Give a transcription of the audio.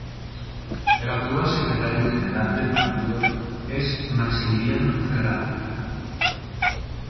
El actual Secretario General del partido es Maximiliano Ferraro.